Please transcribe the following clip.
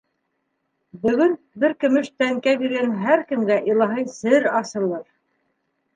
Бөгөн бер көмөш тәнкә биргән һәр кемгә илаһи сер асылыр!